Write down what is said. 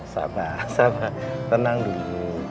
sabah sabah tenang dulu